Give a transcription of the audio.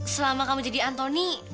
selama kamu jadi antoni